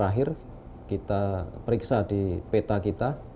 terakhir kita periksa di peta kita